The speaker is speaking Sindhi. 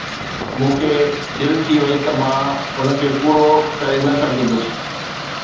مون کي دل ٿي وئي ته مان ان کي پورو ڪري نه سگھندس.